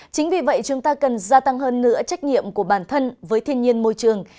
chính vì vậy chúng ta cần gia tăng hơn nữa trách nhiệm của bản thân với thiên nhiên môi trường